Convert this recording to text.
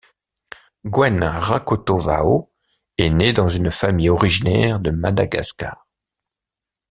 Gwen Rakotovao est née dans une famille originaire de Madagascar.